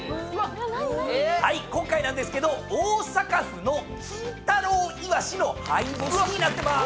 今回なんですけど大阪府の金太郎イワシの灰干しになってまーす。